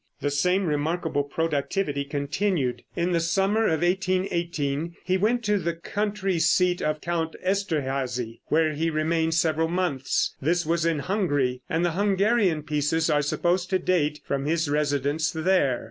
The same remarkable productivity continued. In the summer of 1818 he went to the country seat of Count Esterhazy, where he remained several months. This was in Hungary, and the Hungarian pieces are supposed to date from his residence there.